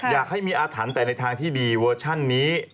อยากให้มีอาถรรพ์แต่ในทางที่ดีเวอร์ชันนี้